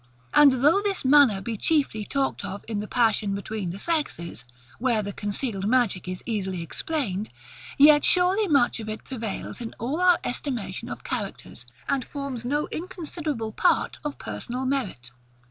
And though this MANNER be chiefly talked of in the passion between the sexes, where the concealed magic is easily explained, yet surely much of it prevails in all our estimation of characters, and forms no inconsiderable part of personal merit.